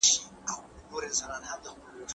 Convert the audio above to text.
قدرت په ټولنه کې وېشل سوی دی.